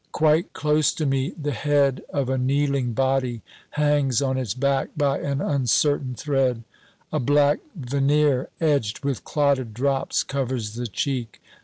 Quite close to me, the head of a kneeling body hangs on its back by an uncertain thread; a black veneer, edged with clotted drops, covers the cheek.